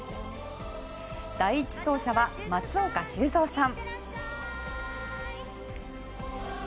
第１走者は松岡修造さん。